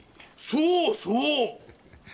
そうそう！